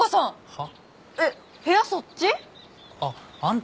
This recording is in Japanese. はあ。